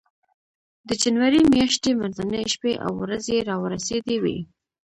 د جنوري میاشتې منځنۍ شپې او ورځې را ورسېدې وې.